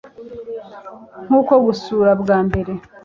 Nko gusura bwa mbere